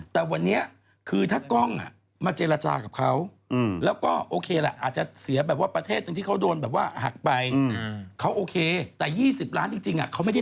แต่วันนี้คือถ้ากล้องอ่ะมาเจลจากับเค้าแล้วก็โอเคแหละอาจจะเสียประเทศตั้งที่เขาโดนแบบว่าหักไป